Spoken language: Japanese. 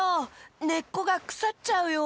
ねっこがくさっちゃうよ。